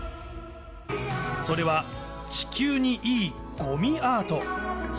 それは、地球にいいごみアート。